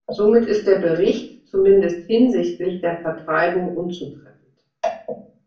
Somit ist der Bericht zumindest hinsichtlich der Vertreibung unzutreffend.